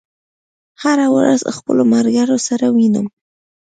هره ورځ خپلو ملګرو سره وینم